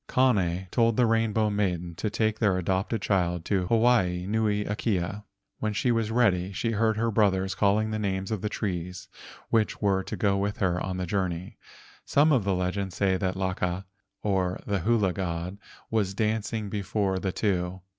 Kane told the Rainbow Maiden to take their adopted child to Hawaii nui akea. When she was ready, she heard her brothers calling the names of trees which were to go with her on her journey. Some of the legends say that Laka, the hula god, was dancing before the two.